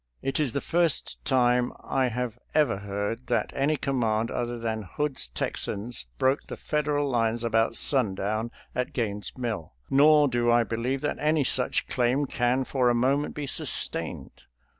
It is the first time I have ever heard that any command other than Hood's Texans broke the Federal lines about sundown at Gaines' Mill, nor do I believe that any such claim can for a moment be sustained.